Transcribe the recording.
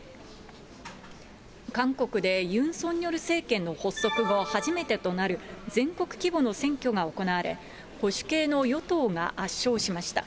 韓国で、ユン・ソンニョル政権の発足後初めてとなる、全国規模の選挙が行われ、保守系の与党が圧勝しました。